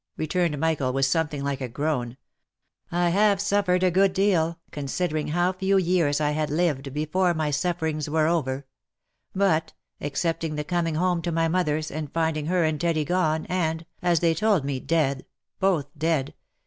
returned Michael, with something like a groan ;" I have suffered a good deal, considering how few years I had lived before my sufferings were over ; but, excepting the coming home to mother's, and finding her and Teddy gone, and, as they told me, dead — both dead